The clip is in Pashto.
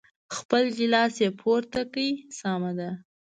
خپل ګیلاس یې پورته کړ، سمه ده.